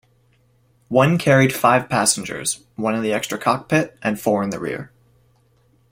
One carried five passengers, one in the extra cockpit and four in the rear.